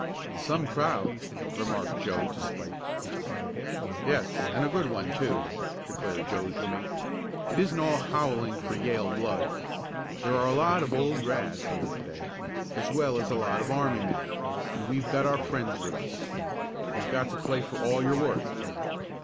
"Some crowd," remarked Joe to Spike. "Yes, and a good one, too," declared Joe's room mate. "It isn't all howling for Yale blood. There are a lot of old grads. here to day, as well as a lot of army men, and we've got our friends with us. You've got to play for all you're worth."